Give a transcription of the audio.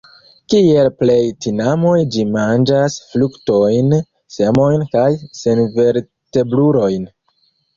Kiel plej tinamoj ĝi manĝas fruktojn, semojn kaj senvertebrulojn.